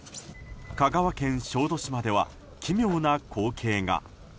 香川県小豆島では奇妙な光景が。